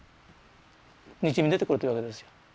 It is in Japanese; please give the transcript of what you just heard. にじみ出てくるというわけですよ。